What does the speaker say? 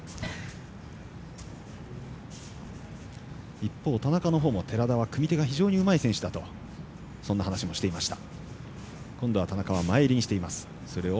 一本、田中のほうも寺田は組み手が非常にうまいとそんな話もしていました。